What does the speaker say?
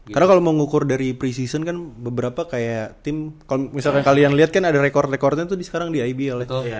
karena kalo mau ngukur dari pre season kan beberapa kayak tim kalo misalkan kalian liat kan ada rekord rekordnya tuh sekarang di ibl ya